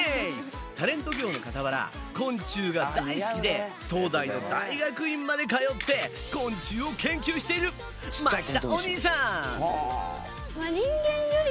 タレント業のかたわら昆虫が大好きで東大の大学院まで通って昆虫を研究している牧田お兄さん！